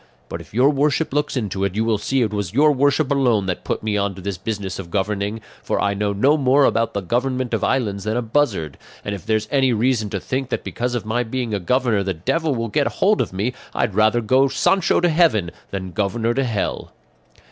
But if your worship looks into it, you will see it was your worship alone that put me on to this business of governing; for I know no more about the government of islands than a buzzard; and if there's any reason to think that because of my being a governor the devil will get hold of me, I'd rather go Sancho to heaven than governor to hell."